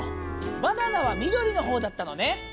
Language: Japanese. バナナはみどりのほうだったのね。